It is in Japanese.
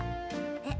えっ？